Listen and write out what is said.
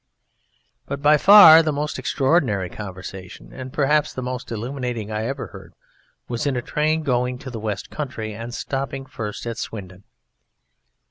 But by far the most extraordinary conversation and perhaps the most illuminating I ever heard, was in a train going to the West Country and stopping first at Swindon.